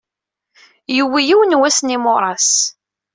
Yuwey yiwen wass n yimuras.